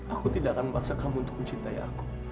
aku tidak akan memaksa kamu untuk mencintai aku